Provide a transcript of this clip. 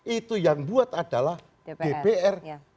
itu yang buat adalah dpr